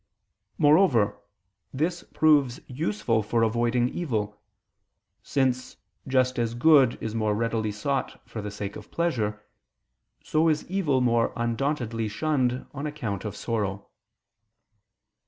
Moreover, this proves useful for avoiding evil: since, just as good is more readily sought for the sake of pleasure, so is evil more undauntedly shunned on account of sorrow.